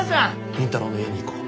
倫太郎の家に行こう。